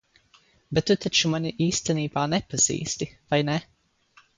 Bet tu taču mani īstenībā nepazīsti, vai ne?